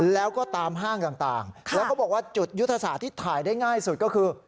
แล้วก็ตามห้างต่างแล้วเขาบอกว่าจุดยุทธศาสตร์ที่ถ่ายได้ง่ายสุดก็คือ